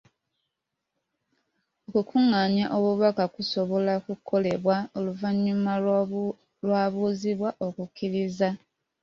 Okukungaanya obubaka kusobola kukolebwa oluvannyuma lw'abuuzibwa okukkiriza.